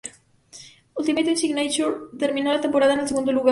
Ultimate Signature terminó la temporada en el segundo lugar.